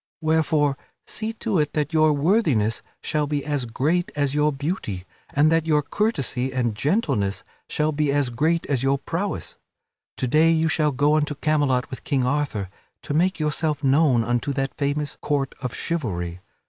Wherefore, see to it that your worthiness shall be as great as your beauty, and that your courtesy and gentleness shall be as great as your prowess. To day you shall go unto Camelot with King Arthur to make yourself known unto that famous Court of Chivalry.